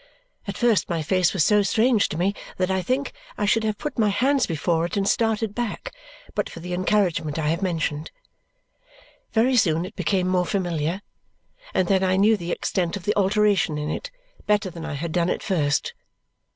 At first my face was so strange to me that I think I should have put my hands before it and started back but for the encouragement I have mentioned. Very soon it became more familiar, and then I knew the extent of the alteration in it better than I had done at first.